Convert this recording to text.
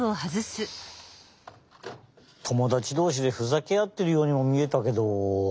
ともだちどうしでふざけあってるようにもみえたけど。